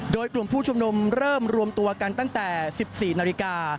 โดยกลุ่มผู้ชุมนุมเริ่มรวมตัวกันตั้งแต่๑๔นาฬิกา